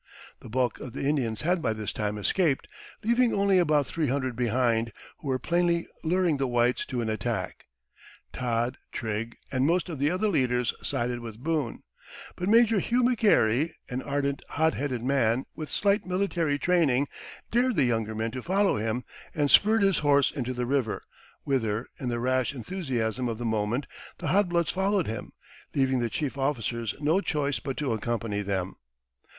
The bulk of the Indians had by this time escaped, leaving only about three hundred behind, who were plainly luring the whites to an attack. Todd, Trigg, and most of the other leaders sided with Boone; but Major Hugh McGary, an ardent, hot headed man, with slight military training, dared the younger men to follow him, and spurred his horse into the river, whither, in the rash enthusiasm of the moment, the hot bloods followed him, leaving the chief officers no choice but to accompany them.